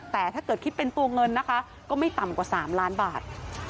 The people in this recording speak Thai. แต่ถ้าเกิดคิดเป็นตัวเงินนะคะก็ไม่ต่ำกว่า๓ล้านบาท